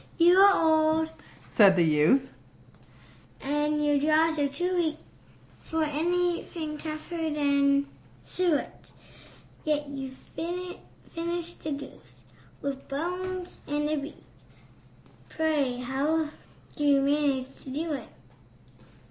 "You are old," said the youth, "and your jaws are too weak For anything tougher than suet; Yet you finished the goose, with the bones and the beak Pray, how did you manage to do it?"